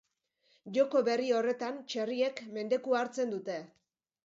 Joko berri horretan, txerriek mendekua hartzen dute.